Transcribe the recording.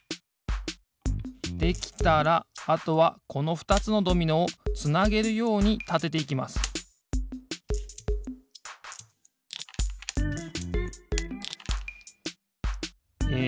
できたらあとはこのふたつのドミノをつなげるようにたてていきますえ